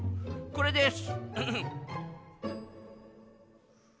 これです。